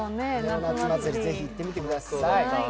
ネオ・夏祭り、ぜひ行ってみてください。